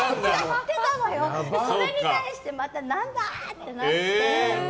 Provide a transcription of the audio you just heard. それに対してこれは何だ！ってなって。